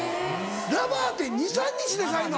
ラバーって２３日で替えんの？